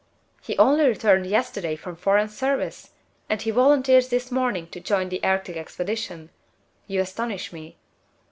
"He only returned yesterday from foreign service! And he volunteers this morning to join the Arctic expedition? You astonish me."